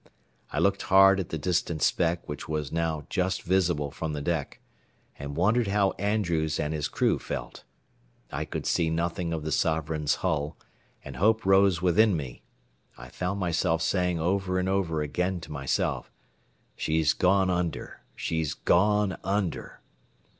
I looked hard at the distant speck which was now just visible from the deck, and wondered how Andrews and his crew felt. I could see nothing of the Sovereign's hull, and hope rose within me. I found myself saying over and over again to myself, "She's gone under, she's gone under."